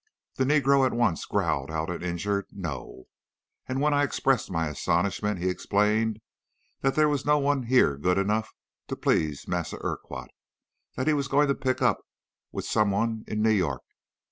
"The negro at once growled out an injured 'No!' and when I expressed my astonishment, he explained that 'There was no one here good enough to please Massa Urquhart. That he was going to pick up with some one in New York.